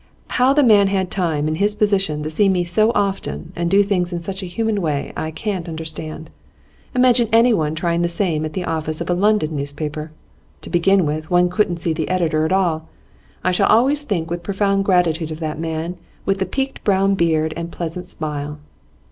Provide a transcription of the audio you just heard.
How the man had time, in his position, to see me so often, and do things in such a human way, I can't understand. Imagine anyone trying the same at the office of a London newspaper! To begin with, one couldn't see the editor at all. I shall always think with profound gratitude of that man with the peaked brown beard and pleasant smile.